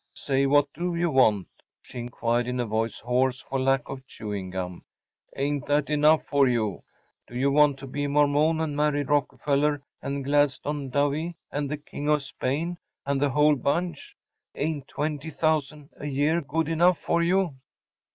“Say, what do you want?‚ÄĚ she inquired, in a voice hoarse for lack of chewing gum. “Ain’t that enough for you? Do you want to be a Mormon, and marry Rockefeller and Gladstone Dowie and the King of Spain and the whole bunch? Ain’t $20,000 a year good enough for you?